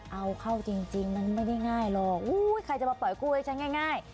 เอาเข้าจริงมันไม่ได้ง่ายหรอกอุ้ยใครจะมาปล่อยกู้ให้ฉันง่าย